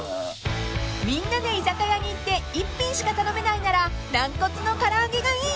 ［みんなで居酒屋に行って１品しか頼めないならなんこつの唐揚げがいい］